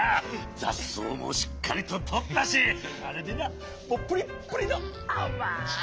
ざっそうもしっかりととったしあれでなプリップリのあまい。